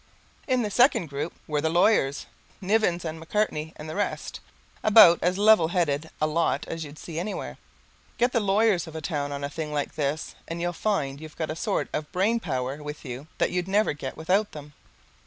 In the second group were the lawyers, Nivens and Macartney and the rest about as level headed a lot as you'd see anywhere. Get the lawyers of a town with you on a thing like this and you'll find you've got a sort of brain power with you that you'd never get without them.